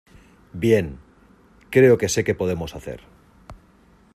Bien, creo que sé qué podemos hacer.